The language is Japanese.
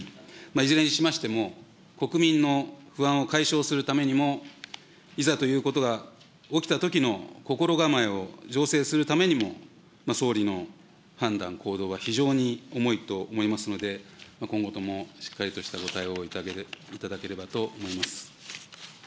いずれにしましても、国民の不安を解消するためにも、いざということが起きたときの心構えを醸成するためにも、総理の判断、行動は非常に重いと思いますので、今後ともしっかりとしたご対応をいただければと思います。